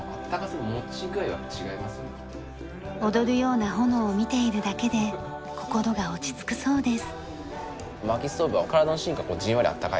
踊るような炎を見ているだけで心が落ち着くそうです。